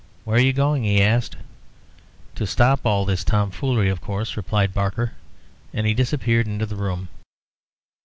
"Where are you going?" he asked. "To stop all this foolery, of course," replied Barker; and he disappeared into the room.